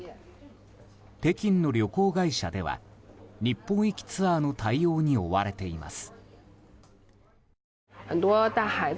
北京の旅行会社では日本行きツアーの対応に追われています。